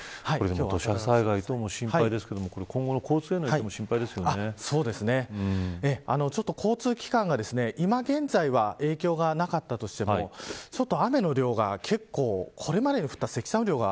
土砂災害とかも心配ですが今後の交通への影響も交通機関は今現在は影響がなかったとしてもちょっと雨の量が結構これまでに降った積算